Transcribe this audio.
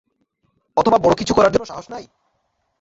অথবা বড় কিচু করার জন্য সাহস নাই?